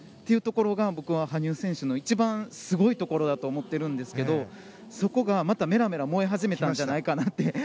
そこが僕は羽生選手の一番すごいところだと思っているんですがそこが、またメラメラと燃え始めたんじゃないかなと。